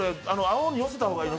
青に寄せた方がいい？